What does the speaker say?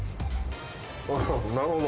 ああなるほど。